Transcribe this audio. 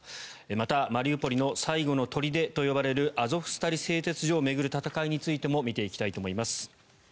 また、マリウポリの最後の砦と呼ばれるアゾフスタリ製鉄所を巡る戦いについても見ていきたいと思います。